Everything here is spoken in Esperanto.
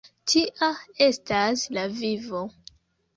Tia estas la vivo!